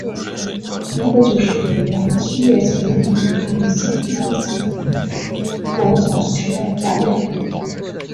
民国九十五年七月成立云林县第一支国小室外管乐团。